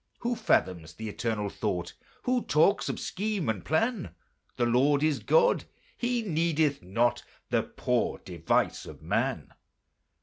Who fathoms the Eternal Thought? Who talks of scheme and plan? The Lord is God! He needeth not The poor device of man.